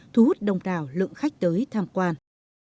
thu hút đông đảo lượng khách tới tham quan